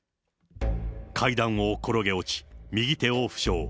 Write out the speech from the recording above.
階段を転げ落ち、右手を負傷。